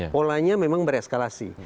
polanya memang bereskalasi